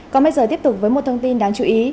còn bây giờ tiếp tục với một thông tin đáng chú ý